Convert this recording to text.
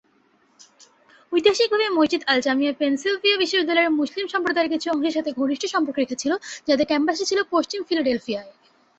ঐতিহাসিকভাবে মসজিদ Al Jamia Pennsylvania বিশ্ববিদ্যালয়ের মুসলিম সম্প্রদায়ের কিছু অংশের সাথে ঘনিষ্ঠ সম্পর্ক রেখেছিল, যাদের ক্যাম্পাসটি ছিলো পশ্চিম ফিলাডেলফিয়ায়।